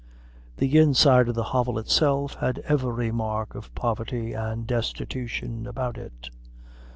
The inside of the hovel itself had every mark of poverty and destitution about it.